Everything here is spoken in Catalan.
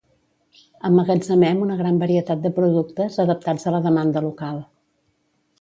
Emmagatzemen una gran varietat de productes, adaptats a la demanda local.